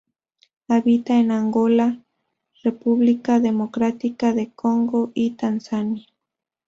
Habita en Angola, República Democrática del Congo y Tanzania.